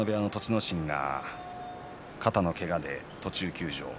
心が肩のけがで途中休場でした。